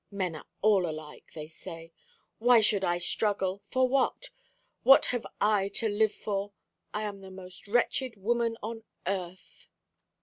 Men are all alike, they say. Why should I struggle? For what? What have I to live for? I am the most wretched woman on earth."